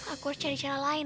aku harus cari cara lain